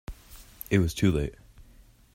It was too late.